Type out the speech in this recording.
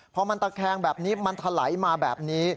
พอมันตะแคงแบบนี้มันถลายมาแบบนี้